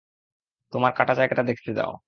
তোমার কাটা জায়গাটা দেখতে দাও।